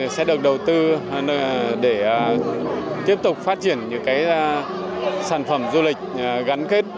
sẽ được đầu tư để tiếp tục phát triển những sản phẩm du lịch gắn kết